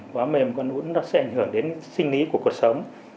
quá mềm nó sẽ ảnh hưởng đến sinh lý của cuộc sống